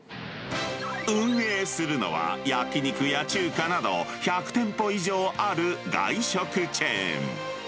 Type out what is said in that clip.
運営するのは、焼き肉や中華など、１００店舗以上ある外食チェーン。